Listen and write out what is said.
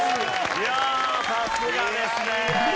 いやあさすがですね。